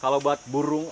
kalau buat burung